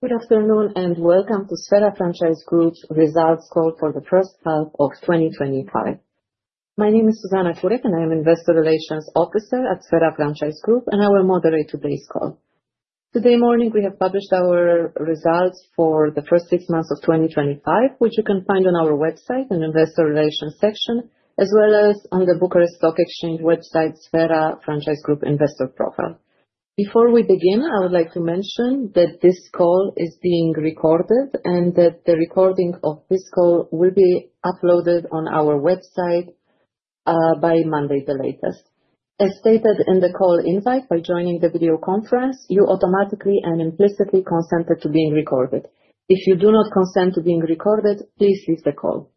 Good afternoon and welcome to Sphera Franchise Group's Results Call for the first half of 2025. My name is Zuzanna Kurek, and I am an Investor Relations Officer at Sphera Franchise Group, and I will moderate today's call. This morning, we have published our results for the first six months of 2025, which you can find on our website in the Investor Relations section, as well as on the Bucharest Stock Exchange website Sphera Franchise Group Investor Profile. Before we begin, I would like to mention that this call is being recorded and that the recording of this call will be uploaded on our website by Monday at the latest. As stated in the call invite, by joining the video conference, you automatically and implicitly consented to being recorded. If you do not consent to being recorded, please leave the call.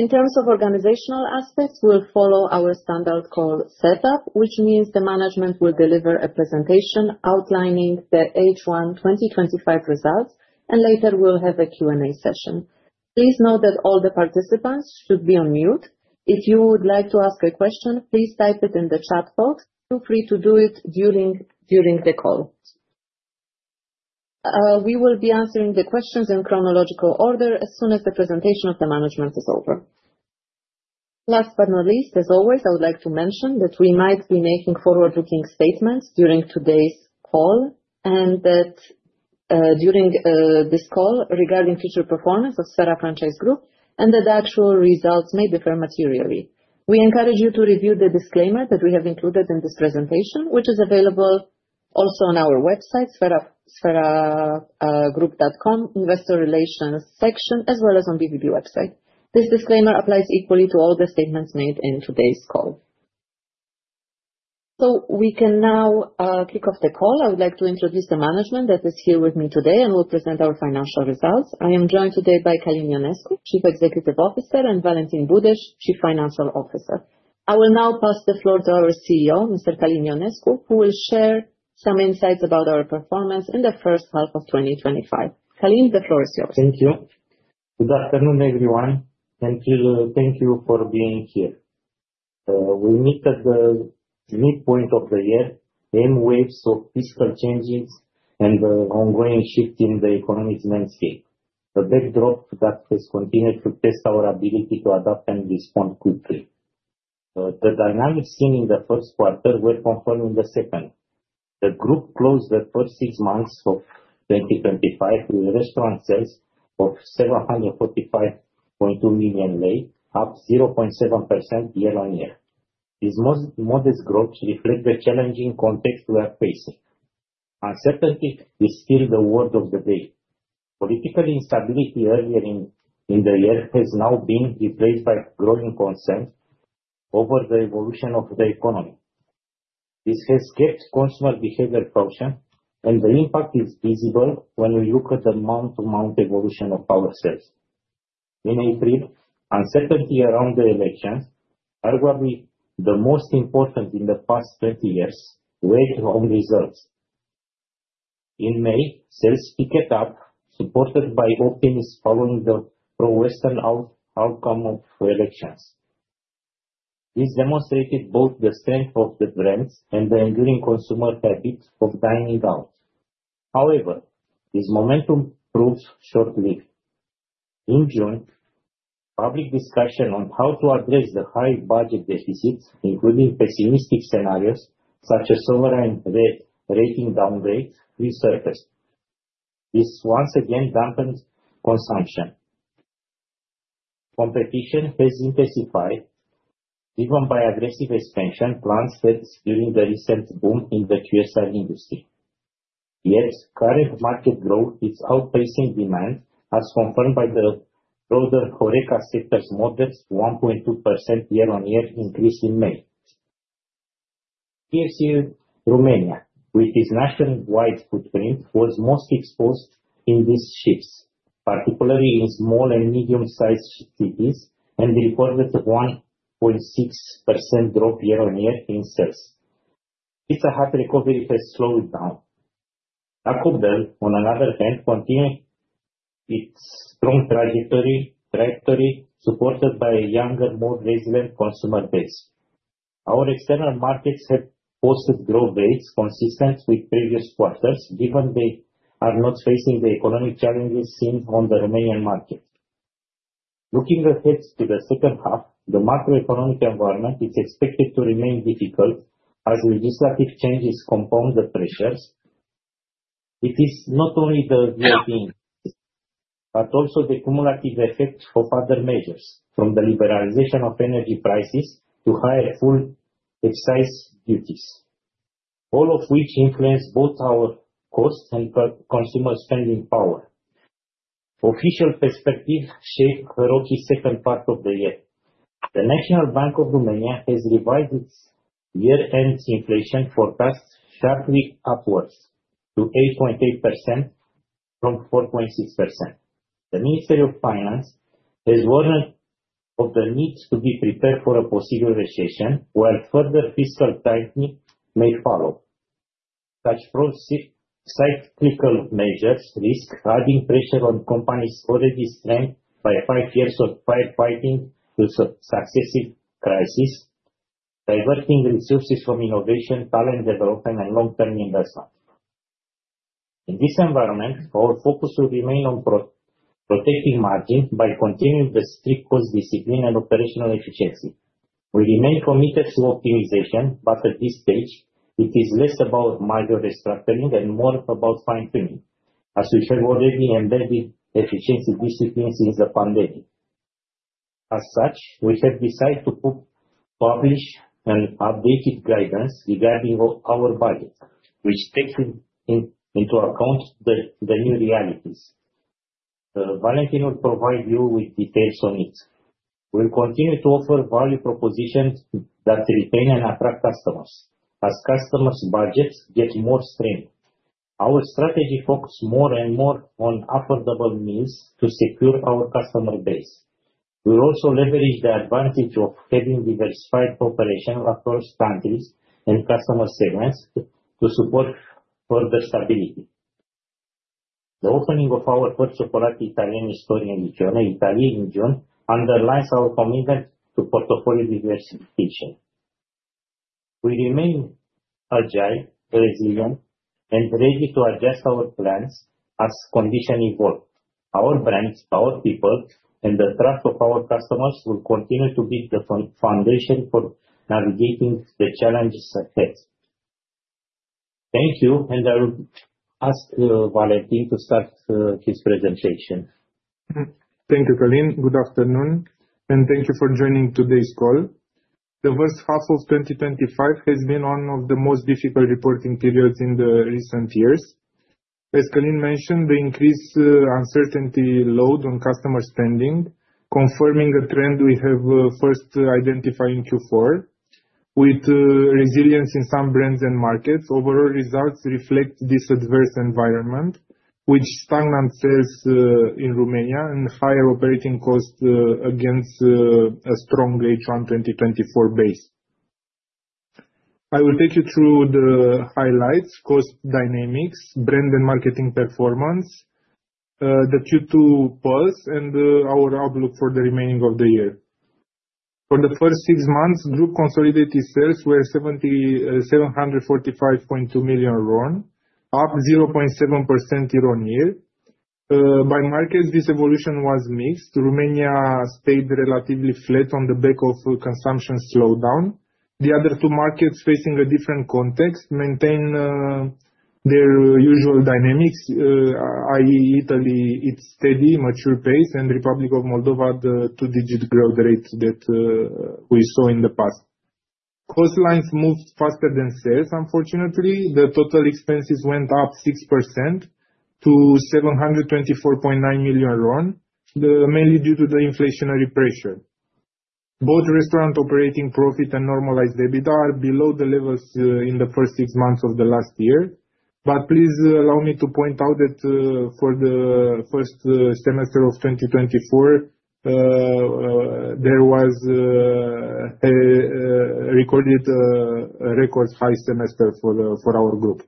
In terms of organizational aspects, we'll follow our standard call setup, which means the management will deliver a presentation outlining the H1 2025 results, and later we'll have a Q&A session. Please note that all the participants should be on mute. If you would like to ask a question, please type it in the chat box. Feel free to do it during the call. We will be answering the questions in chronological order as soon as the presentation of the management is over. Last but not least, as always, I would like to mention that we might be making forward-looking statements during today's call regarding future performance of Sphera Franchise Group and that actual results may differ materially. We encourage you to review the disclaimer that we have included in this presentation, which is available also on our website, spheragroup.com, Investor Relations section, as well as on BVB website. This disclaimer applies equally to all the statements made in today's call. We can now kick off the call. I would like to introduce the management that is here with me today and will present our financial results. I am joined today by Călin Ionescu, Chief Executive Officer, and Valentin Budeș, Chief Financial Officer. I will now pass the floor to our CEO, Mr. Călin Ionescu, who will share some insights about our performance in the first half of 2025. Călin, the floor is yours. Thank you. Good afternoon, everyone, and thank you for being here. We meet at the midpoint of the year, the end waves of fiscal changes and the ongoing shift in the economic landscape. The backdrop to that has continued to test our ability to adapt and respond quickly. The dynamics seen in the first quarter were confirmed in the second. The group closed the first six months of 2025 with restaurant sales of RON 745.2 million, up 0.7% year on year. This modest growth reflects the challenging context we are facing. Uncertainty is still the word of the day. Political instability earlier in the year has now been replaced by growing concern over the evolution of the economy. This has kept consumer behavior cautious, and the impact is visible when we look at the month-to-month evolution of our sales. In April, uncertainty around the elections, arguably the most important in the past 30 years, weighed on results. In May, sales picked up, supported by optimists following the pro-Western outcome of elections. This demonstrated both the strength of the brands and the enduring consumer habit of dining out. However, this momentum proved short-lived. In June, public discussion on how to address the high budget deficits, including pessimistic scenarios such as sovereign rating downgrades, resurfaced. This once again dampened consumption. Competition has intensified, driven by aggressive expansion plans spurring the recent boom in the QSR industry. Current market growth is outpacing demand, as confirmed by the broader HoReCa sector's modest 1.2% year-on-year increase in May. TSE Romania, with its nationwide footprint, was most exposed in these shifts, particularly in small and medium-sized cities, and reported a 1.6% drop year-on-year in sales. It's a hot recovery that has slowed down. Accordel, on the other hand, continued its strong trajectory, supported by a younger, more resilient consumer base. Our external markets have posted growth rates consistent with previous quarters, given they are not facing the economic challenges seen on the Romanian market. Looking ahead to the second half, the macroeconomic environment is expected to remain difficult as legislative changes compound the pressures. It is not only the European but also the cumulative effects of other measures, from the liberalization of energy prices to higher full excise duties, all of which influence both our costs and consumer spending power. Official perspectives shape the road we set on part of the year. The National Bank of Romania has revised its year-end inflation forecast sharply upwards to 8.8% from 4.6%. The Ministry of Finance has warned of the need to be prepared for a possible recession, while further fiscal tightening may follow. Such pro-cyclical measures risk adding pressure on companies already strained by five years of firefighting to successive crises, diverting resources from innovation, talent development, and long-term investment. In this environment, our focus will remain on protecting margins by continuing the strict cost discipline and operational efficiency. We remain committed to optimization, but at this stage, it is less about major restructuring and more about fine-tuning, as we have already embedded efficiency disciplines since the pandemic. As such, we have decided to publish an updated guidance regarding our value, which takes into account the new realities. Valentin will provide you with details on it. We'll continue to offer value propositions that retain and attract customers as customers' budgets get more strained. Our strategy focuses more and more on affordable meals to secure our customer base. We'll also leverage the advantage of having diversified operational approaches and customer segments to support further stability. The opening of our first operation in Italy underlines our commitment to portfolio diversification. We remain agile, resilient, and ready to adjust our plans as conditions evolve. Our brands, our people, and the trust of our customers will continue to be the foundation for navigating the challenges ahead. Thank you, and I will ask Valentin to start his presentation. Thank you, Călin. Good afternoon, and thank you for joining today's call. The first half of 2025 has been one of the most difficult reporting periods in recent years. As Călin mentioned, the increased uncertainty load on customer spending confirms the trend we first identified in Q4. With resilience in some brands and markets, overall results reflect this adverse environment, with stagnant sales in Romania and higher operating costs against a strong H1 2024 base. I will take you through the highlights, cost dynamics, brand and marketing performance, the Q2 pulse, and our outlook for the remainder of the year. For the first six months, group consolidated sales were RON 745.2 million, up 0.7% year on year. By markets, this evolution was mixed. Romania stayed relatively flat on the back of consumption slowdown. The other two markets, facing a different context, maintained their usual dynamics. Italy is at a steady, mature pace, and the Republic of Moldova, the two-digit growth rate that we saw in the past. Cost lines moved faster than sales. Unfortunately, the total expenses went up 6% to RON 724.9 million, mainly due to the inflationary pressure. Both restaurant operating profit and normalized EBITDA are below the levels in the first six months of last year. Please allow me to point out that for the first semester of 2024, there was a recorded record high semester for our group.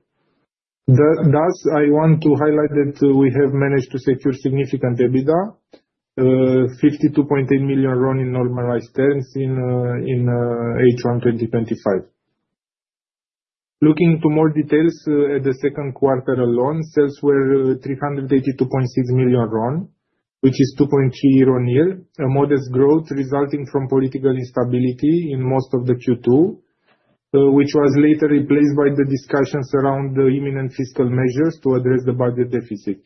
I want to highlight that we have managed to secure significant EBITDA, RON 52.8 million in normalized terms in H1 2025. Looking to more details, at the second quarter alone, sales were RON 382.6 million, which is 2.3% year on year, a modest growth resulting from political instability in most of Q2, which was later replaced by the discussions around the imminent fiscal measures to address the budget deficit.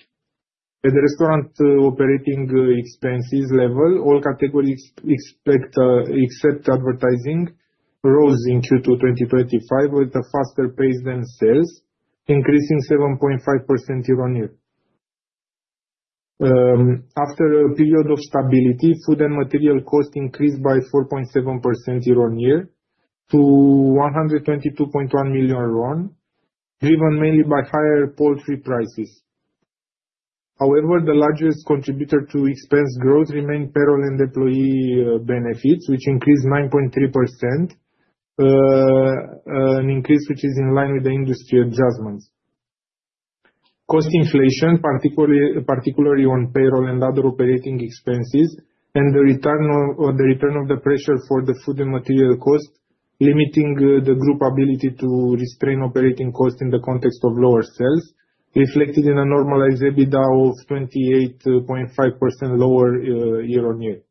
At the restaurant operating expenses level, all categories except advertising rose in Q2 2025 with a faster pace than sales, increasing 7.5% year on year. After a period of stability, food and material costs increased by 4.7% year on year to RON 122.1 million, driven mainly by higher poultry prices. However, the largest contributor to expense growth remained payroll and employee benefits, which increased 9.3%, an increase which is in line with the industry adjustments. Cost inflation, particularly on payroll and other operating expenses, and the return of the pressure for the food and material costs, limiting the group ability to restrain operating costs in the context of lower sales, reflected in a normalized EBITDA of 28.5% lower year on year.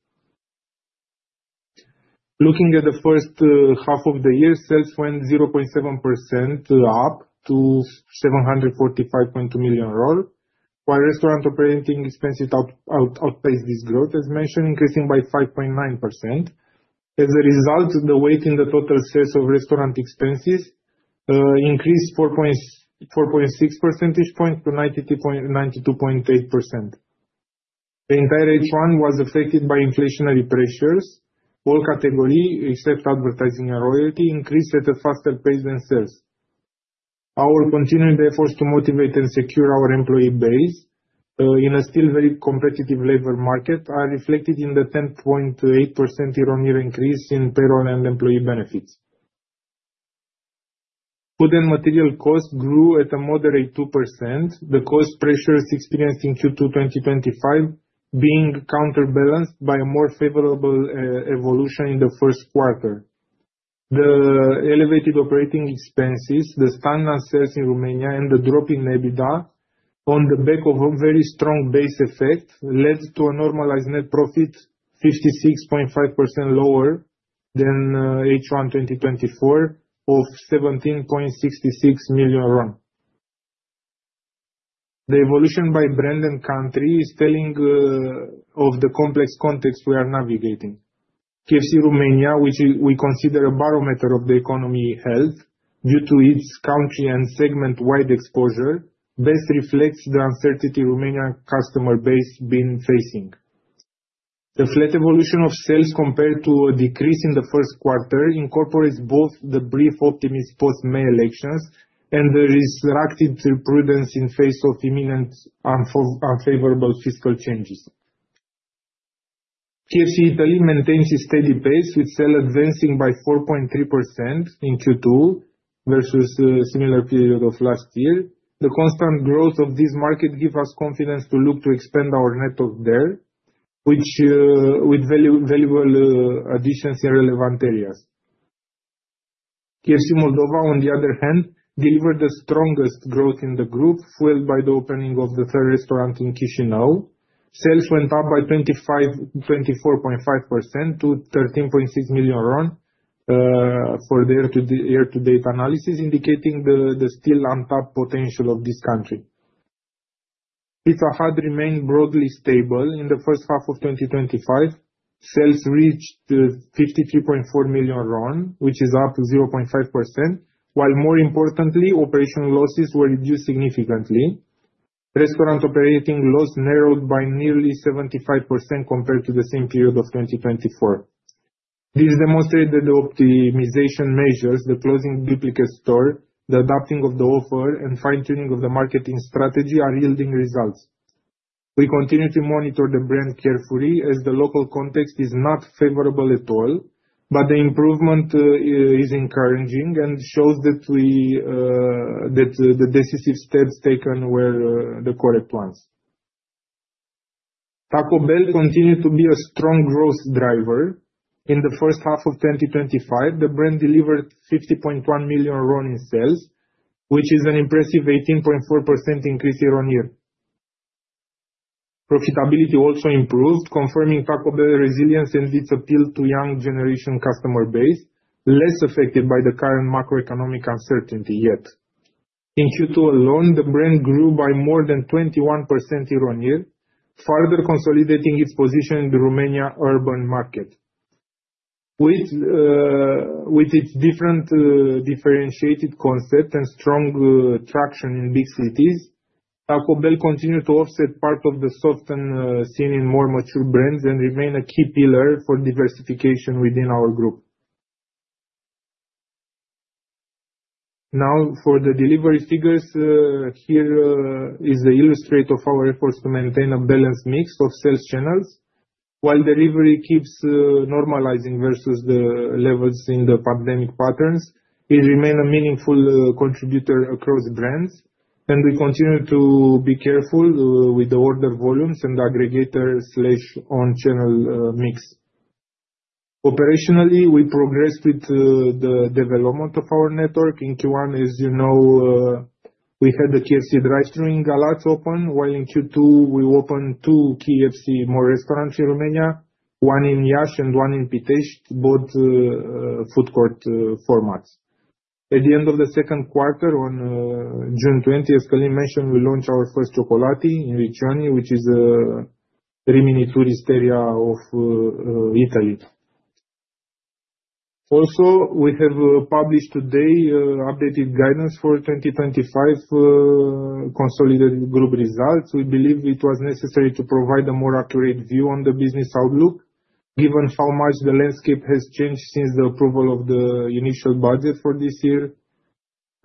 Looking at the first half of the year, sales went 0.7% up to RON 745.2 million, while restaurant operating expenses outpaced this growth, as mentioned, increasing by 5.9%. As a result, the weight in the total sales of restaurant expenses increased 4.6% this point to 92.8%. The entire H1 was affected by inflationary pressures. All categories, except advertising and royalty, increased at a faster pace than sales. Our continued efforts to motivate and secure our employee base in a still very competitive labor market are reflected in the 10.8% year on year increase in payroll and employee benefits. Food and material costs grew at a moderate 2%, the cost pressures experienced in Q2 2025 being counterbalanced by a more favorable evolution in the first quarter. The elevated operating expenses, the stagnant sales in Romania, and the drop in EBITDA on the back of a very strong base effect led to a normalized net profit 56.5% lower than H1 2024 of RON 17.66 million. The evolution by brand and country is telling of the complex context we are navigating. KFC Romania, which we consider a barometer of the economy health due to its country and segment-wide exposure, best reflects the uncertainty Romania customer base has been facing. The flat evolution of sales compared to a decrease in the first quarter incorporates both the brief optimism post-May elections and the restricted prudence in the face of imminent unfavorable fiscal changes. KFC Italy maintains a steady pace, with sales advancing by 4.3% in Q2 versus a similar period of last year. The constant growth of this market gives us confidence to look to expand our network there, with valuable additions in relevant areas. KFC Moldova, on the other hand, delivered the strongest growth in the group, fueled by the opening of the third restaurant in Chișinău. Sales went up by 24.5% to RON 13.6 million for the year-to-date analysis, indicating the still on-top potential of this country. Pizza Hut remained broadly stable in the first half of 2025. Sales reached RON 53.4 million, which is up 0.5%, while more importantly, operational losses were reduced significantly. Restaurant operating loss narrowed by nearly 75% compared to the same period of 2024. This demonstrated that the optimization measures, the closing duplicate store, the adapting of the offer, and fine-tuning of the marketing strategy are yielding results. We continue to monitor the brand carefully as the local context is not favorable at all, but the improvement is encouraging and shows that the decisive steps taken were the correct ones. Taco Bell continued to be a strong growth driver. In the first half of 2025, the brand delivered RON 50.1 million in sales, which is an impressive 18.4% increase year on year. Profitability also improved, confirming Taco Bell's resilience and its appeal to a young generation customer base, less affected by the current macroeconomic uncertainty yet. In Q2 alone, the brand grew by more than 21% year on year, further consolidating its position in the Romania urban market. With its differentiated concept and strong traction in big cities, Taco Bell continued to offset part of the softness seen in more mature brands and remained a key pillar for diversification within our group. Now, for the delivery figures, here is the illustration of our efforts to maintain a balanced mix of sales channels. While delivery keeps normalizing versus the levels in the pandemic patterns, it remains a meaningful contributor across brands, and we continue to be careful with the order volumes and the aggregator/on-channel mix. Operationally, we progressed with the development of our network. In Q1, as you know, we had the KFC drive-thru in Galați open, while in Q2, we opened two more KFC restaurants in Romania, one in Iași and one in Pitești, both food court formats. At the end of the second quarter, on June 20th, Călin mentioned we launched our first Cioccolatitaliani in Riccione, which is a very mini-tourist area of Italy. Also, we have published today updated guidance for 2025 consolidated group results. We believe it was necessary to provide a more accurate view on the business outlook, given how much the landscape has changed since the approval of the initial budget for this year.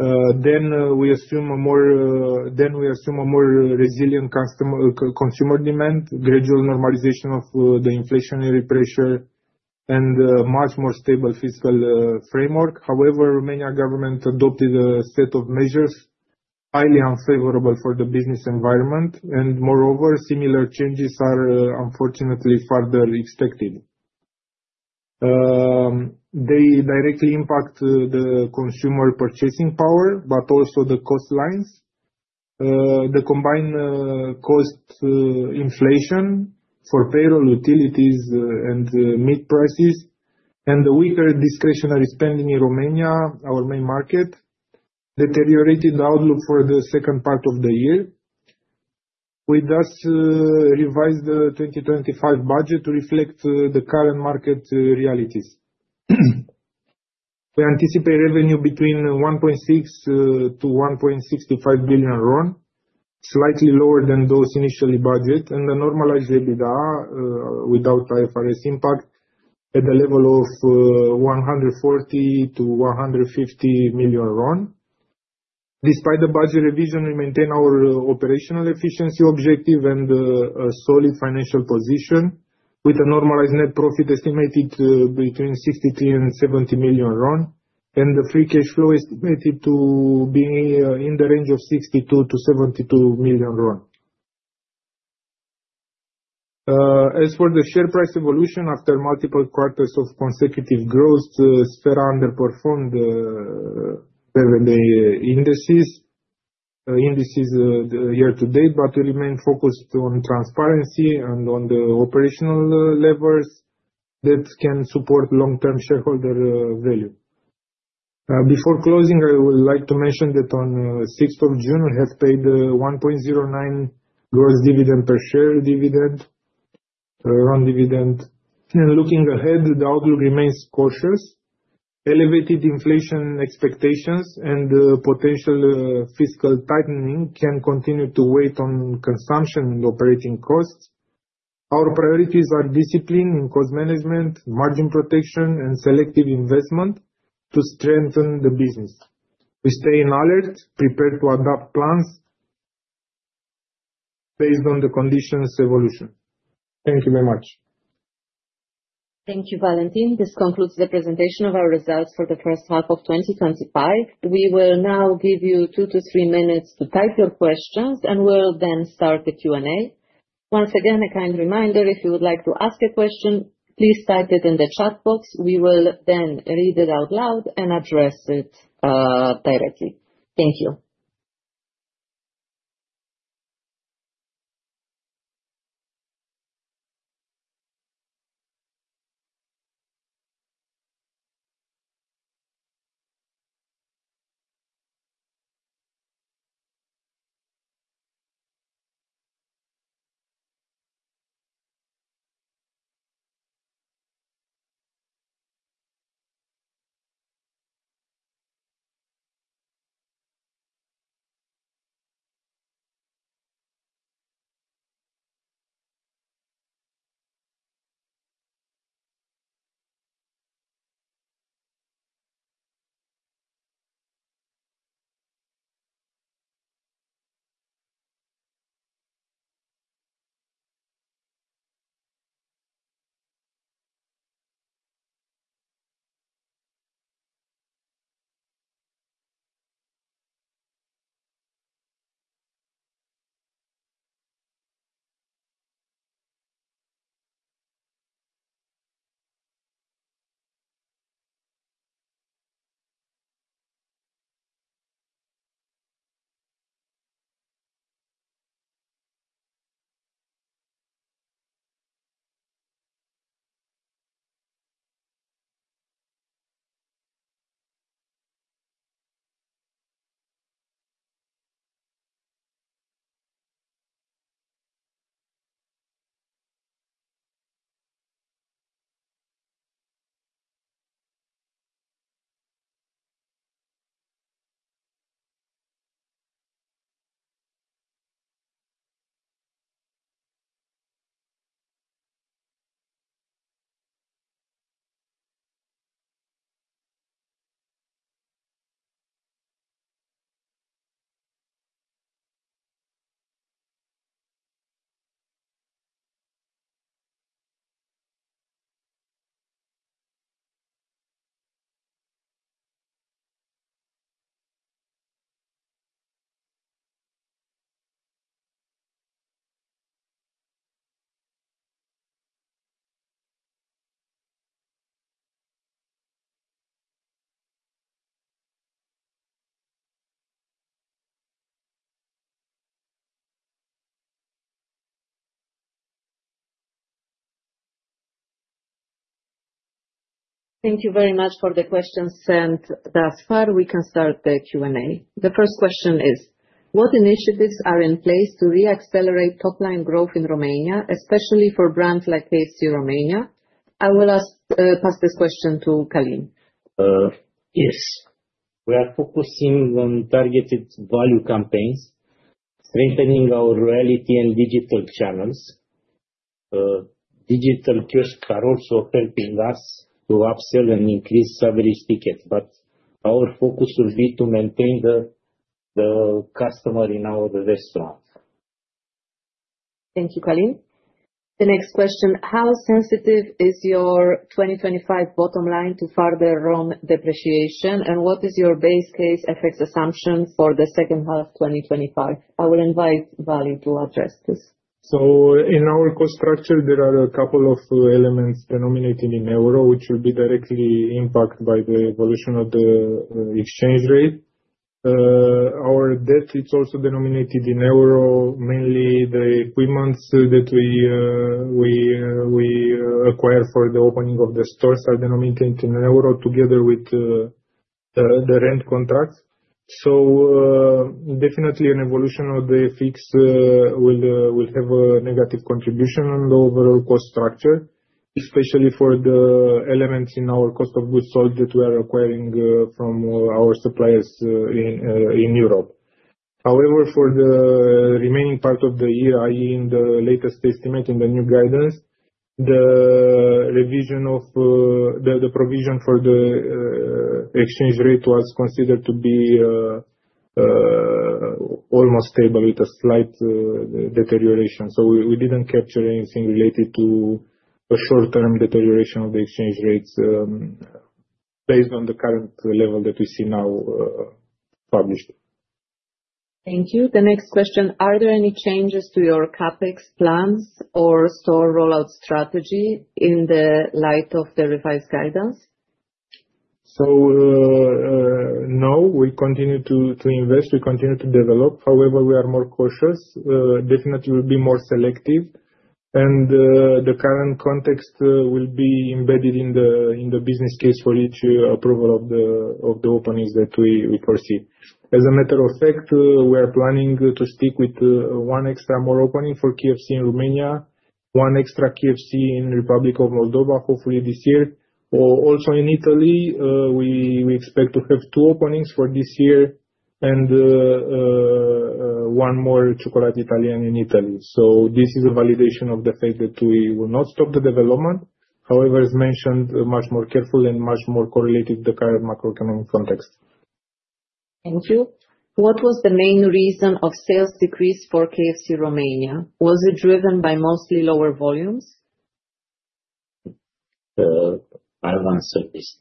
We assume a more resilient consumer demand, gradual normalization of the inflationary pressure, and a much more stable fiscal framework. However, the Romanian government adopted a set of measures highly unfavorable for the business environment, and moreover, similar changes are unfortunately further expected. They directly impact the consumer purchasing power, but also the cost lines. The combined cost inflation for payroll, utilities, and meat prices, and the weaker discretionary spending in Romania, our main market, deteriorated the outlook for the second part of the year. We thus revised the 2025 budget to reflect the current market realities. We anticipate revenue between RON 1.6 billion-RON 1.65 billion, slightly lower than those initially budgeted, and a normalized EBITDA without IFRS impact at a level of RON 140 million-RON 150 million. Despite the budget revision, we maintain our operational efficiency objective and a solid financial position, with a normalized net profit estimated between RON 63 million and RON 70 million and a free cash flow estimated to be in the range of RON 62 million-RON 72 million. As for the share price evolution, after multiple quarters of consecutive growth, Sphera underperformed the revenue indices year to date. We remain focused on transparency and on the operational levers that can support long-term shareholder value. Before closing, I would like to mention that on the 6th of June, it has paid a RON 1.09 gross dividend per share. Looking ahead, the outlook remains cautious. Elevated inflation expectations and potential fiscal tightening can continue to weigh on consumption and operating costs. Our priorities are discipline and cost management, margin protection, and selective investment to strengthen the business. We stay in alert, prepared to adapt plans based on the condition's evolution. Thank you very much. Thank you, Valentin. This concludes the presentation of our results for the first half of 2025. We will now give you two to three minutes to type your questions, and we'll then start the Q&A. Once again, a kind reminder, if you would like to ask a question, please type it in the chat box. We will then read it out loud and address it directly. Thank you. Thank you very much for the questions sent thus far. We can start the Q&A. The first question is, what initiatives are in place to re-accelerate top-line growth in Romania, especially for brands like KFC Romania? I will ask this question to Călin. Yes. We are focusing on targeted value campaigns, strengthening our reality and digital channels. Digital pushes are also helping us to upsell and increase average tickets, but our focus should be to maintain the customer in our restaurant. Thank you, Călin. The next question, how sensitive is your 2025 bottom line to further RON depreciation, and what is your base-case FX assumption for the second half of 2025? I will invite Valentin to address this. In our cost structure, there are a couple of elements denominated in euro, which will be directly impacted by the evolution of the exchange rate. Our debt is also denominated in euro. Mainly, the equipment that we acquire for the opening of the stores is denominated in euro, together with the rent contracts. Definitely, an evolution of the FX will have a negative contribution on the overall cost structure, especially for the elements in our cost of goods sold that we are acquiring from our suppliers in Europe. However, for the remaining part of the year, i.e., in the latest estimate in the new guidance, the provision for the exchange rate was considered to be almost stable with a slight deterioration. We didn't capture anything related to a short-term deterioration of the exchange rates based on the current level that we see now published. Thank you. The next question, are there any changes to your CapEx plans or store rollout strategy in the light of the revised guidance? No, we continue to invest. We continue to develop. However, we are more cautious. Definitely, we'll be more selective, and the current context will be embedded in the business case for each approval of the openings that we proceed. As a matter of fact, we are planning to stick with one extra more opening for KFC in Romania, one extra KFC in the Republic of Moldova, hopefully this year. Also in Italy, we expect to have two openings for this year and one more Cioccolatitaliani in Italy. This is a validation of the fact that we will not stop the development. However, as mentioned, much more careful and much more correlated to the current macroeconomic context. Thank you. What was the main reason of sales decrease for KFC Romania? Was it driven by mostly lower volumes? I'll answer this.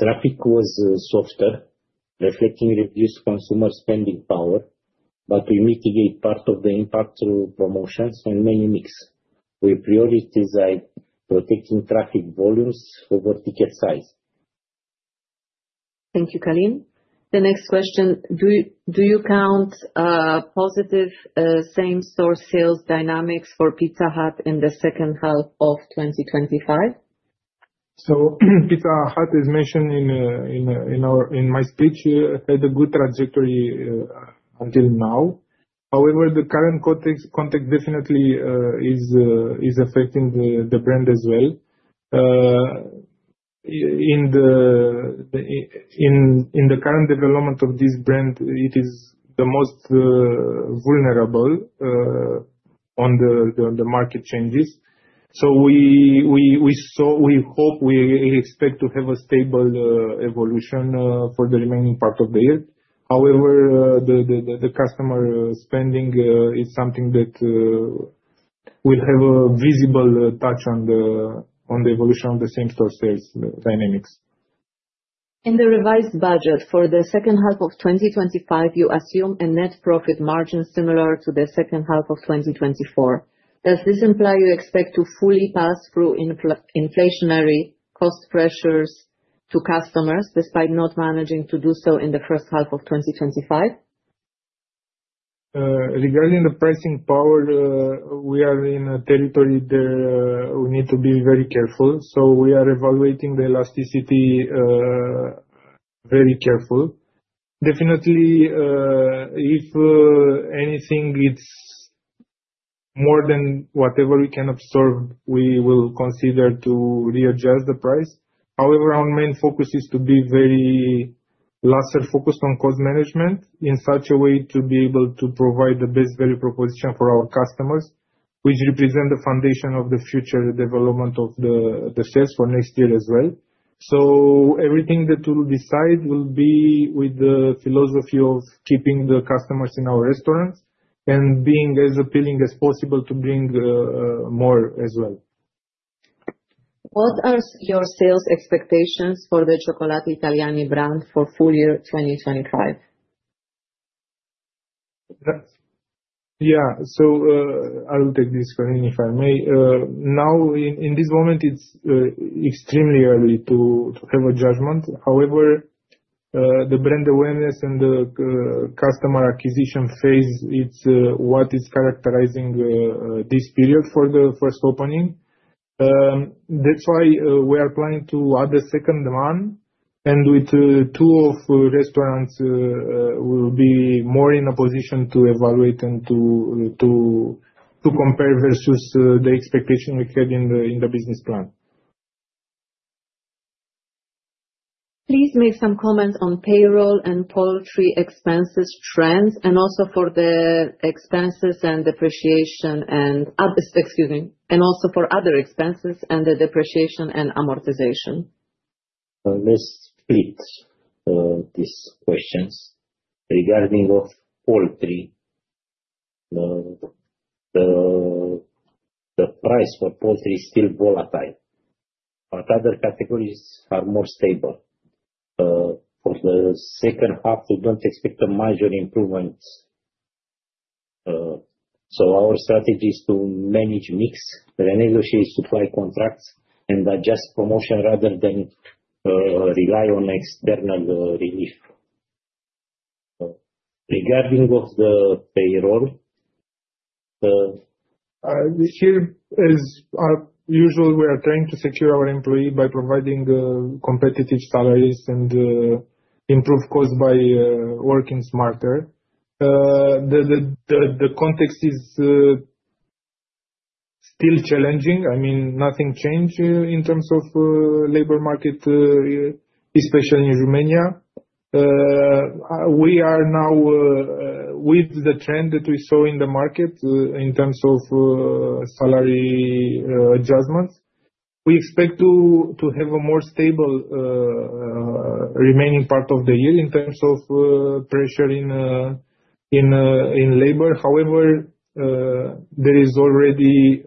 Traffic was softer, reflecting reduced consumer spending power, but we mitigate part of the impact through promotions and menu mix, with priorities like protecting traffic volumes for vertical size. Thank you, Călin. The next question, do you count positive same-store sales dynamics for Pizza Hut in the second half of 2025? Pizza Hut, as mentioned in my speech, had a good trajectory until now. However, the current context definitely is affecting the brand as well. In the current development of this brand, it is the most vulnerable on the market changes. We hope we expect to have a stable evolution for the remaining part of the year. However, the customer spending is something that will have a visible touch on the evolution of the same-store sales dynamics. In the revised budget for the second half of 2025, you assume a net profit margin similar to the second half of 2024. Does this imply you expect to fully pass through inflationary cost pressures to customers despite not managing to do so in the first half of 2025? Regarding the pricing power, we are in a territory where we need to be very careful. We are evaluating the elasticity very carefully. Definitely, if anything, it's more than whatever we can absorb, we will consider to readjust the price. However, our main focus is to be very less focused on cost management in such a way to be able to provide the best value proposition for our customers, which represents the foundation of the future development of the sales for next year as well. Everything that we decide will be with the philosophy of keeping the customers in our restaurants and being as appealing as possible to bring more as well. What are your sales expectations for the Cioccolatitaliani brand for full-year 2025? Yeah, I'll take this, Călin, if I may. Now, in this moment, it's extremely early to have a judgment. However, the brand awareness and the customer acquisition phase is what is characterizing this period for the first opening. That's why we are planning to add a second demand, and with two of the restaurants, we'll be more in a position to evaluate and to compare versus the expectation we had in the business plan. Please make some comments on payroll and poultry expenses trends, and also for the expenses and depreciation and also for other expenses and the depreciation and amortization. I'll read these questions. Regarding poultry, the price for poultry is still volatile, but other categories are more stable. For the second half, we don't expect a major improvement. Our strategy is to manage mix, renegotiate supply contracts, and adjust promotion rather than rely on external relief. Regarding the payroll. This year, as usual, we are trying to secure our employees by providing competitive salaries and improved costs by working smarter. The context is still challenging. Nothing changed in terms of the labor market, especially in Romania. We are now with the trend that we saw in the market in terms of salary adjustments. We expect to have a more stable remaining part of the year in terms of pressure in labor. There is already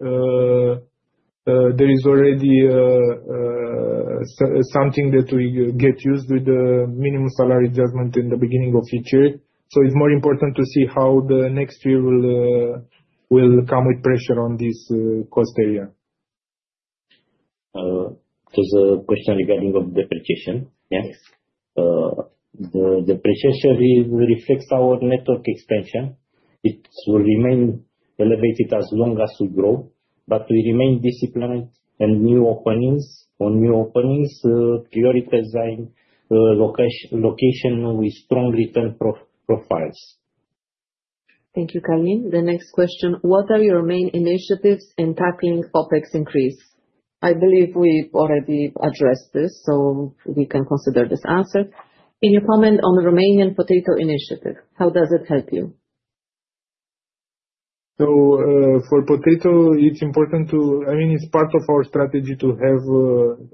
something that we get used to, the minimum salary adjustment in the beginning of each year. It's more important to see how the next year will come with pressure on this cost area. The question regarding depreciation, yes. The depreciation reflects our network expansion. It will remain elevated as long as we grow, but we remain disciplined, and new openings, prioritizing locations with strong retail profiles. Thank you, Călin. The next question, what are your main initiatives in tackling OpEx increase? I believe we've already addressed this, so we can consider this answer. Can you comment on the Romanian potato initiative? How does it help you? For potato, it's important to, I mean, it's part of our strategy to have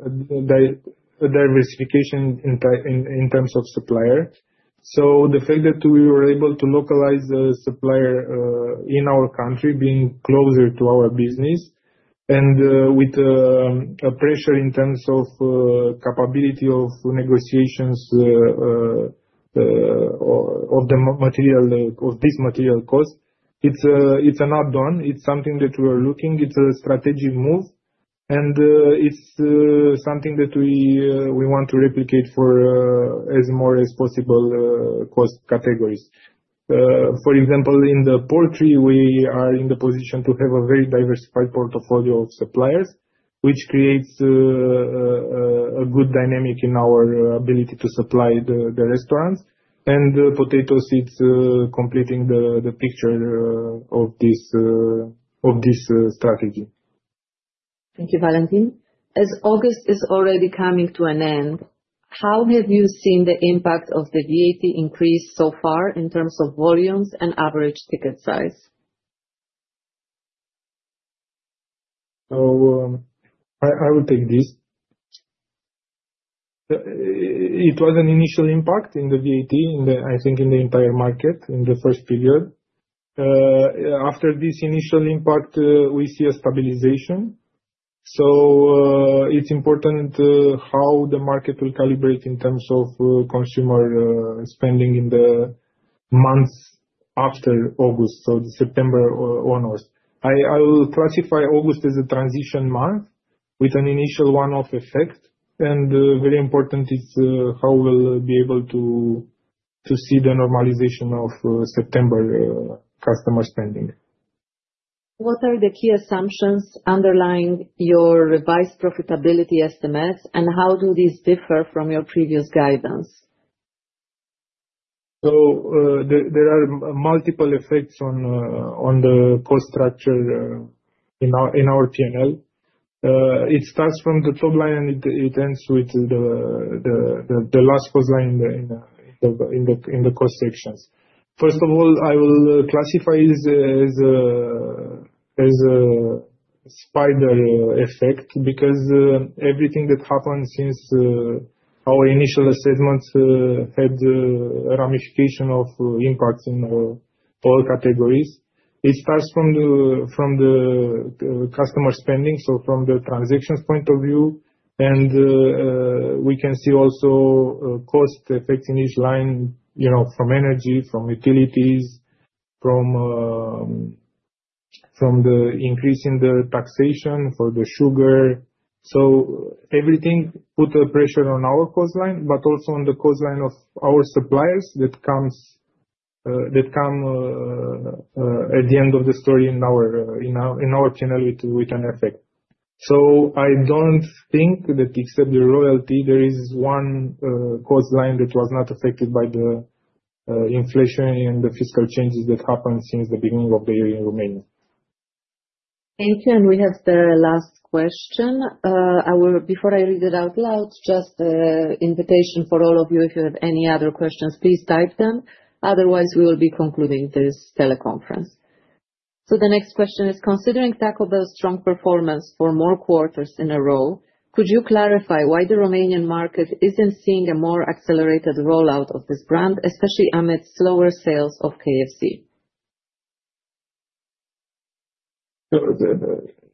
a diversification in terms of supplier. The fact that we were able to localize the supplier in our country, being closer to our business, and with a pressure in terms of capability of negotiations of this material cost, it's an add-on. It's something that we're looking at. It's a strategic move, and it's something that we want to replicate for as more as possible cost categories. For example, in the poultry, we are in the position to have a very diversified portfolio of suppliers, which creates a good dynamic in our ability to supply the restaurants, and potato seeds completing the picture of this strategy. Thank you, Valentin. As August is already coming to an end, how have you seen the impact of the VAT increase so far in terms of volumes and average ticket size? I will take this. It was an initial impact in the VAT, I think, in the entire market in the first period. After this initial impact, we see a stabilization. It is important how the market will calibrate in terms of consumer spending in the months after August, the September on-off. I will classify August as a transition month with an initial one-off effect, and very important is how we'll be able to see the normalization of September customer spending. What are the key assumptions underlying your revised profitability estimates, and how do these differ from your previous guidance? There are multiple effects on the cost structure in our TML. It starts from the top line and it ends with the last cost line in the cost sections. First of all, I will classify it as a spider effect because everything that happened since our initial assessments had a ramification of impacts in all categories. It starts from the customer spending, from the transactions point of view, and we can see also cost effects in each line, from energy, from utilities, from the increase in the taxation for the sugar. Everything puts a pressure on our cost line, but also on the cost line of our suppliers that come at the end of the story in our channel with an effect. I don't think that except the royalty, there is one cost line that was not affected by the inflation and the fiscal changes that happened since the beginning of the year in Romania. Thank you. We have the last question. Before I read it out loud, just an invitation for all of you, if you have any other questions, please type them. Otherwise, we will be concluding this teleconference. The next question is, considering Taco Bell's strong performance for more quarters in a row, could you clarify why the Romanian market isn't seeing a more accelerated rollout of this brand, especially amid slower sales of KFC?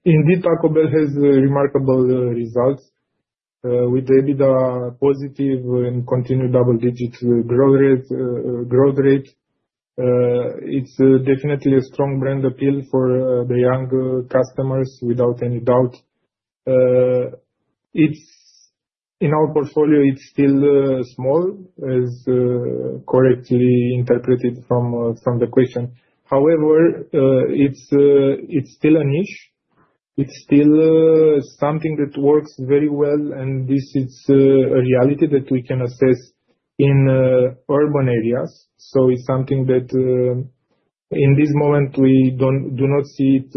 Indeed, Taco Bell has remarkable results with the EBITDA positive and continued double-digit growth rate. It's definitely a strong brand appeal for the young customers, without any doubt. In our portfolio, it's still small, as correctly interpreted from the question. However, it's still a niche. It's still something that works very well, and this is a reality that we can assess in urban areas. It's something that in this moment, we do not see it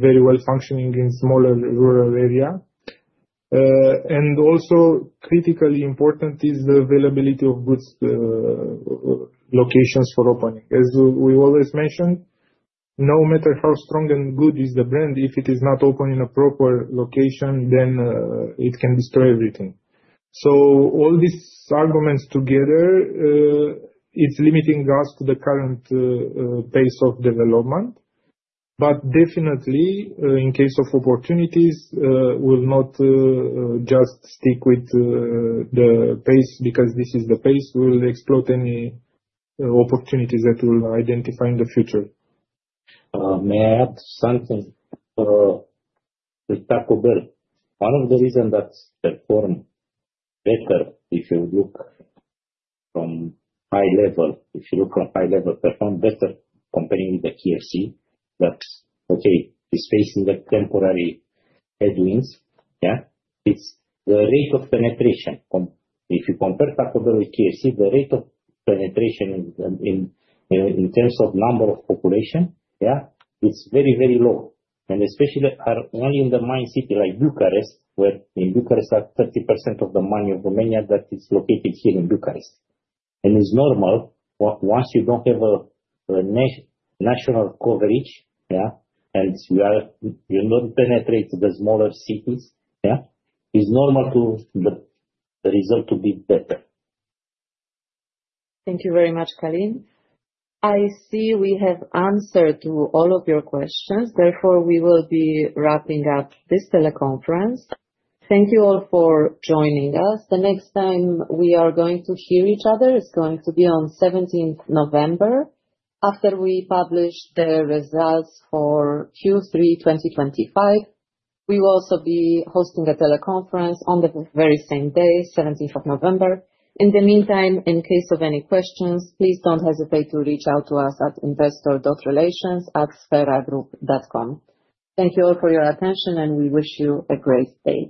very well functioning in smaller rural areas. Also, critically important is the availability of good locations for opening. As we always mention, no matter how strong and good is the brand, if it is not open in a proper location, then it can destroy everything. All these arguments together, it's limiting us to the current pace of development. Definitely, in case of opportunities, we'll not just stick with the pace because this is the pace. We'll exploit any opportunities that we'll identify in the future. May I add something? With Taco Bell, one of the reasons that performs better, if you look at high level, performs better comparing with the KFC, that's okay. It's facing that temporary headwinds. It's the rate of penetration. If you compare Taco Bell with KFC, the rate of penetration in terms of number of population, it's very, very low. Especially only in the main city like Bucharest, where in Bucharest are 30% of the money of Romania that is located here in Bucharest. It's normal that once you don't have a national coverage, and you don't penetrate the smaller cities, it's normal for the result to be better. Thank you very much, Călin. I see we have answered to all of your questions. Therefore, we will be wrapping up this teleconference. Thank you all for joining us. The next time we are going to hear each other is going to be on 17th November. After we publish the results for Q3 2025, we will also be hosting a teleconference on the very same day, 17th of November. In the meantime, in case of any questions, please don't hesitate to reach out to us at investor.relations@spheragroup.com. Thank you all for your attention, and we wish you a great day.